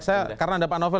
saya karena dapat novel